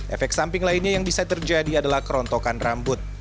efek samping lainnya yang bisa terjadi adalah kerontokan rambut